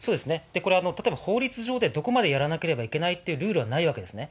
これ、例えば法律上でどこまでやらなければいけないっていうルールはないわけですね。